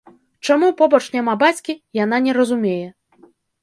Чаму побач няма бацькі, яна не разумее.